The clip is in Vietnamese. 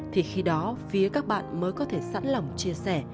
thì khi đó phía các bạn mới có thể sẵn lòng chia sẻ